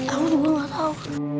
aku juga gak tau